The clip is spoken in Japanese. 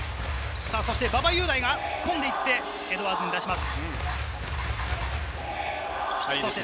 馬場雄大が突っ込んでいって、エドワーズに出します。